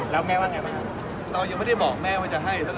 ยังงั้น๒เดือนไม่ถึงนี่คะคุณคะ